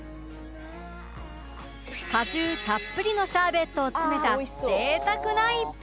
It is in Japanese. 果汁たっぷりのシャーベットを詰めた贅沢な一品